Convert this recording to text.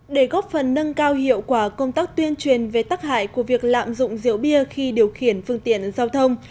để góp phần nâng cao hiệu quả công tác tuyên truyền về tắc hại của việc lạm dụng rượu bia khi điều khiển phương tiện giao thông